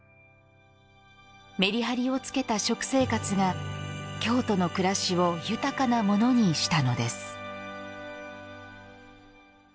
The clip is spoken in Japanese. メリハリをつけた食生活が京都の暮らしを豊かなものにしたのです。